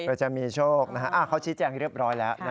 เกิดจะมีโชคนะครับเขาชี้แจ้งเรียบร้อยแล้ว